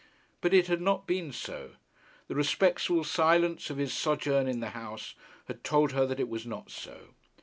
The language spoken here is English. But it had not been so. The respectful silence of his sojourn in the house had told her that it was not so.